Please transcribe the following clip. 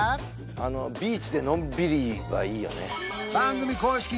あのビーチでのんびりはいいよね番組公式